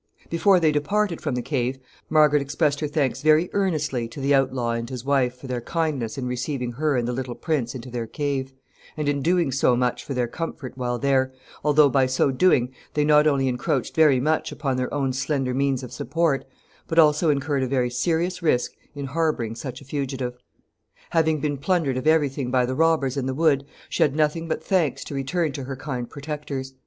] Before they departed from the cave Margaret expressed her thanks very earnestly to the outlaw and his wife for their kindness in receiving her and the little prince into their cave, and in doing so much for their comfort while there, although by so doing they not only encroached very much upon their own slender means of support, but also incurred a very serious risk in harboring such a fugitive. Having been plundered of every thing by the robbers in the wood, she had nothing but thanks to return to her kind protectors.